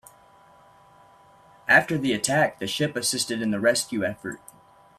After the attack the ship assisted in the rescue effort.